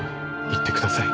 行ってください